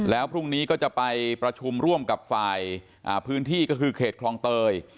แล้วพรุ่งนี้ก็จะไปประชุมร่วมกับฝ่ายพื้นที่ก็คือเขตคลองเตย